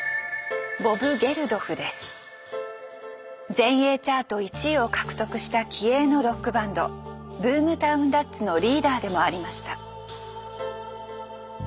全英チャート１位を獲得した気鋭のロックバンドブームタウン・ラッツのリーダーでもありました。